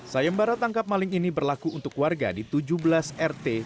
sayembara tangkap maling ini berlaku untuk warga di tujuh belas rt